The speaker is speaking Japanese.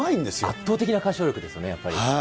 圧倒的な歌唱力ですよね、やっぱり。